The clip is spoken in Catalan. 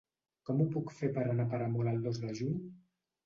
Com ho puc fer per anar a Peramola el dos de juny?